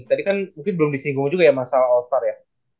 tadi kan mungkin belum disinggung juga ya masalah all star ya